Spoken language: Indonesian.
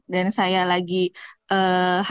dan saya lagi high tense juga